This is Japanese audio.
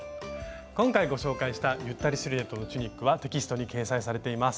今回ご紹介した「ゆったりシルエットのチュニック」はテキストに掲載されています。